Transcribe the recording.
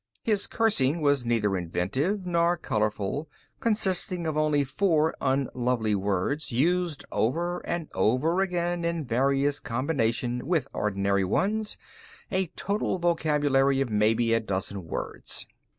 His cursing was neither inventive nor colorful, consisting of only four unlovely words used over and over again in various combinations with ordinary ones, a total vocabulary of maybe a dozen words.